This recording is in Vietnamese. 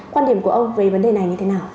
quan điểm của ông về vấn đề này như thế nào